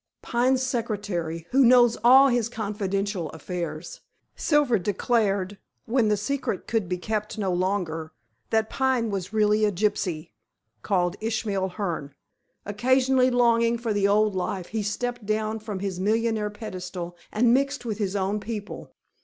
"Pine's secretary, who knows all his confidential affairs. Silver declared, when the secret could be kept no longer, that Pine was really a gypsy, called Ishmael Hearne. Occasionally longing for the old life, he stepped down from his millionaire pedestal and mixed with his own people.